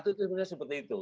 itu sebenarnya seperti itu